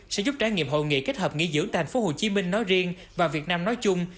sẽ giúp trải nghiệm hội nghị kết hợp nghỉ dưỡng thành phố hồ chí minh nói riêng và việt nam nói chung